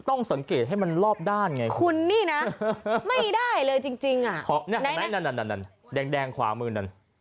ต้องสังเกตให้มันรอบด้านไงคุณนี่นะไม่ได้เลยจริงอ่ะเห็นไหมนั่นแดงขวามือนั่น